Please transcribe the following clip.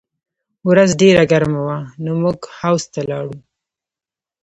ورځ ډېره ګرمه وه نو موږ حوض ته لاړو